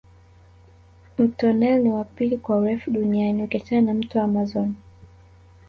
Mto nile ni wa pili kwa urefu duniani ukiachana na mto amazon